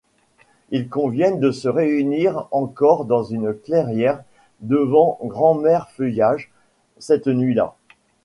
Ils conviennent de se réunir encore dans une clairière devant Grand-Mère Feuillage cette nuit-là.